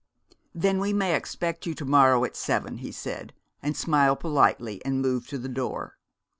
"Then we may expect you to morrow at seven?" he said; and smiled politely and moved to the door.